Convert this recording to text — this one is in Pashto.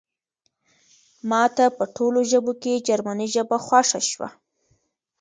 ماته په ټولو ژبو کې جرمني ژبه خوښه شوه